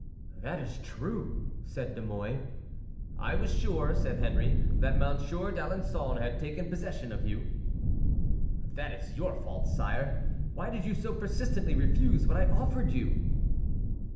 "That is true," said De Mouy. "I was sure," said Henry, "that Monsieur d'Alençon had taken possession of you." "That is your fault, sire. Why did you so persistently refuse what I offered you?"